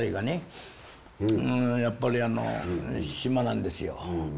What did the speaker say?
やっぱりあの島なんですよ。